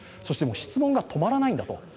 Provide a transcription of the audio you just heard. そして質問が止まらないんだと。